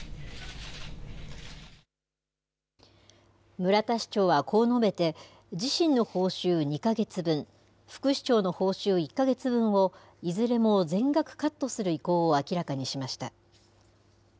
村田市長はこう述べて、自身の報酬２か月分、副市長の報酬１か月分をいずれも全額カットする意向を明らかにしました。